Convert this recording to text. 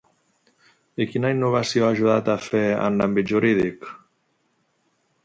I quina innovació ha ajudat a fer en l'àmbit jurídic?